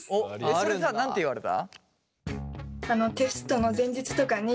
それさ何て言われた？